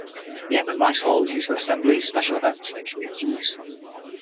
The Edmund Rice Hall is used for assemblies, special events and community use.